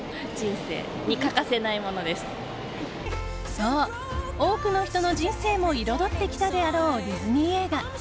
そう、多くの人の人生も彩ってきたであろうディズニー映画。